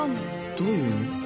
どういう意味？